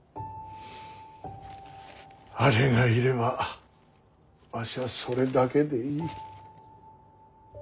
あれがいればわしはそれだけでいい。